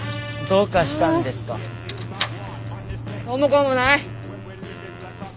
どうもこうもない。